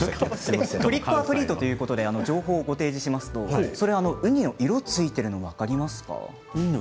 トリック・オア・トリートということで情報をお伝えしますとウニの色がついているのが分かりますか。